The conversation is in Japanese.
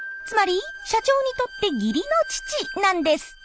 つまり社長にとって義理の父なんです。